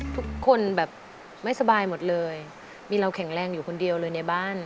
ทุกคนแบบไม่สบายหมดเลยมีเราแข็งแรงอยู่คนเดียวเลยในบ้าน